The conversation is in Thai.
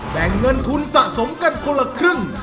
แบ่งเงินทุนสะสมกันคนละครึ่ง